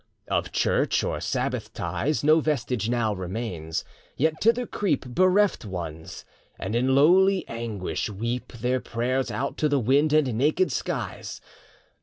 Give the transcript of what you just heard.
Of church, or sabbath ties, 5 No vestige now remains; yet thither creep Bereft Ones, and in lowly anguish weep Their prayers out to the wind and naked skies.